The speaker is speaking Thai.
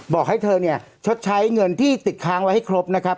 บอกให้เธอเนี่ยชดใช้เงินที่ติดค้างไว้ให้ครบนะครับ